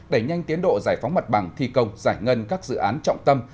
đẩy nhanh tiến độ giải phóng mặt bằng thi công giải ngân các dự án trọng tâm